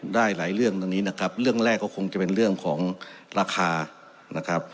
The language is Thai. ได้หลายเรื่องตรงนี้นะครับเรื่องแรกก็คงจะเป็นเรื่องของราคานะครับ